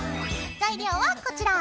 材料はこちら。